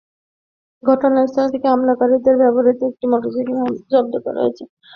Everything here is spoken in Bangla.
ঘটনাস্থল থেকে হামলাকারীদের ব্যবহূত একটি মোটরসাইকেল মামলার আলামত হিসেবে জব্দ করা হয়েছে।